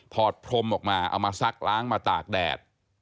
อดพรมออกมาเอามาซักล้างมาตากแดด